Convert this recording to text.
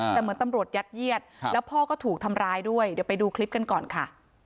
แต่เหมือนตำรวจยัดเยียดแล้วพ่อก็ถูกทำร้ายด้วยเดี๋ยวไปดูคลิปกันก่อนค่ะ